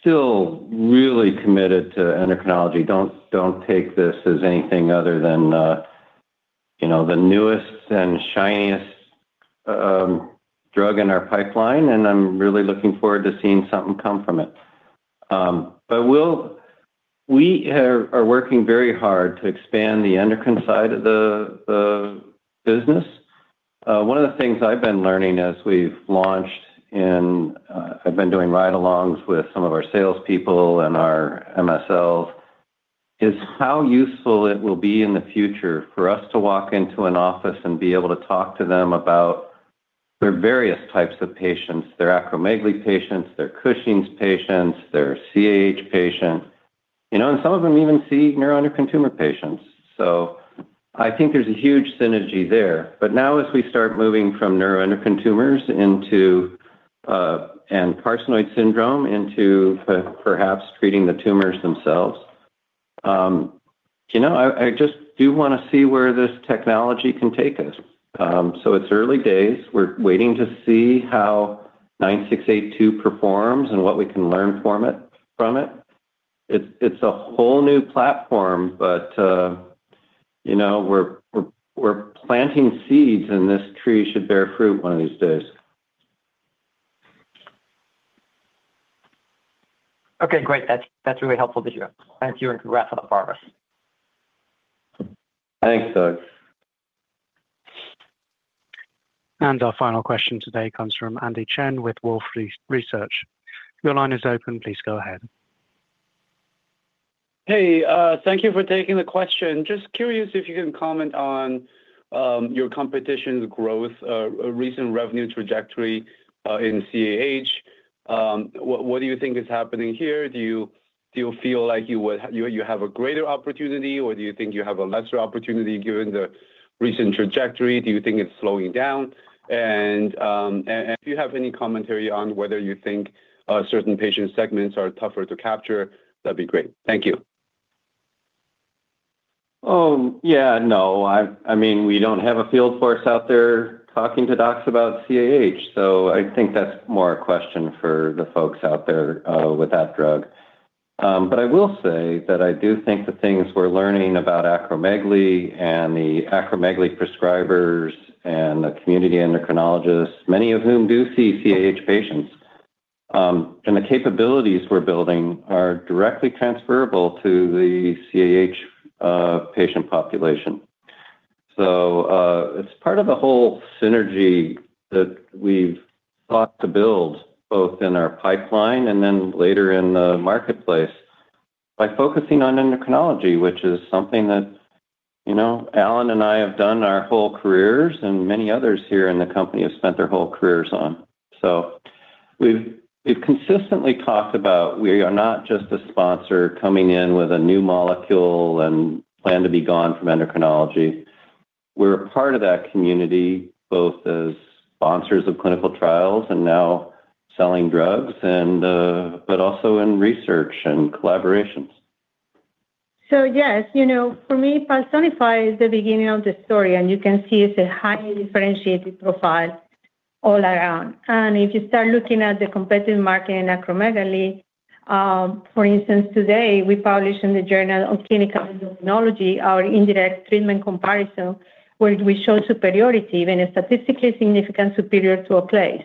Speaker 3: still really committed to endocrinology. Don't take this as anything other than, you know, the newest and shiniest drug in our pipeline, and I'm really looking forward to seeing something come from it. We are working very hard to expand the endocrine side of the business. One of the things I've been learning as we've launched and I've been doing ride-alongs with some of our salespeople and our MSLs is how useful it will be in the future for us to walk into an office and be able to talk to them about their various types of patients, their acromegaly patients, their Cushing's patients, their CAH patient. You know, some of them even see neuroendocrine tumor patients. I think there's a huge synergy there. Now as we start moving from neuroendocrine tumors into and carcinoid syndrome into perhaps treating the tumors themselves, you know, I just do wanna see where this technology can take us. It's early days. We're waiting to see how 9682 performs and what we can learn from it. It's a whole new platform, but, you know, we're planting seeds, and this tree should bear fruit one of these days.
Speaker 18: Okay, great. That's really helpful to hear. Thank you. Congrats on the progress.
Speaker 3: Thanks, Doug.
Speaker 1: Our final question today comes from Andy Chen with Wolfe Research. Your line is open. Please go ahead.
Speaker 19: Hey, thank you for taking the question. Just curious if you can comment on your competition's growth, recent revenue trajectory in CAH. What do you think is happening here? Do you feel like you have a greater opportunity, or do you think you have a lesser opportunity given the recent trajectory? Do you think it's slowing down? If you have any commentary on whether you think certain patient segments are tougher to capture, that'd be great. Thank you.
Speaker 3: Yeah, no. I mean, we don't have a field force out there talking to docs about CAH. I think that's more a question for the folks out there with that drug. I will say that I do think the things we're learning about acromegaly and the acromegaly prescribers and the community endocrinologists, many of whom do see CAH patients, and the capabilities we're building are directly transferable to the CAH patient population. It's part of a whole synergy that we've sought to build both in our pipeline and then later in the marketplace by focusing on endocrinology, which is something that, you know, Alan and I have done our whole careers and many others here in the company have spent their whole careers on. We've consistently talked about we are not just a sponsor coming in with a new molecule and plan to be gone from endocrinology. We're a part of that community, both as sponsors of clinical trials and now selling drugs and also in research and collaborations.
Speaker 8: Yes, you know, for me, PALSONIFY is the beginning of the story, and you can see it's a highly differentiated profile all around. If you start looking at the competitive market in acromegaly, for instance, today, we published in the Journal of Clinical Endocrinology & Metabolism our indirect treatment comparison, where we show superiority, even a statistically significant superior to a place.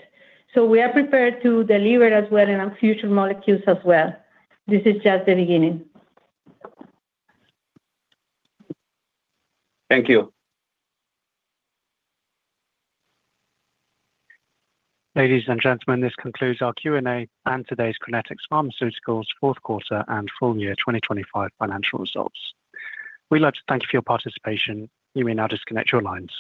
Speaker 8: We are prepared to deliver as well in our future molecules as well. This is just the beginning.
Speaker 19: Thank you.
Speaker 1: Ladies and gentlemen, this concludes our Q&A and today's Crinetics Pharmaceuticals fourth quarter and full year 2025 financial results. We'd like to thank you for your participation. You may now disconnect your lines.